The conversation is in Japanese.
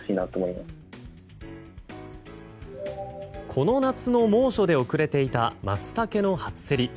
この夏の猛暑で遅れていたマツタケの初競り。